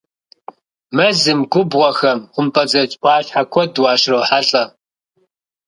Мэзым, губгъуэхэм хъумпӏэцӏэдж ӏуащхьэ куэд уащрохьэлӏэ.